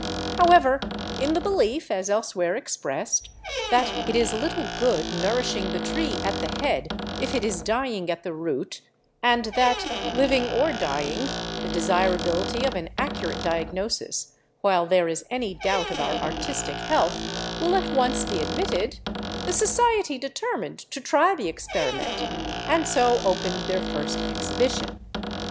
However, in the belief, as elsewhere expressed, that it is little good nourishing the tree at the head if it is dying at the root, and that, living or dying, the desirability of an accurate diagnosis while there is any doubt of our artistic health will at once be admitted, the Society determined to try the experiment and so opened their first Exhibition.